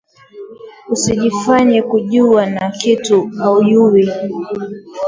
Usijifanye kujuwa na kitu auyuwi